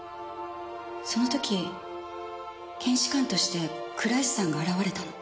その時検視官として倉石さんが現れたの。